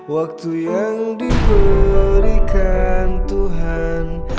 waktu yang diberikan tuhan